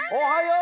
おおはよう！